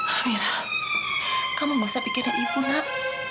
amira kamu nggak usah pikirin ibu nak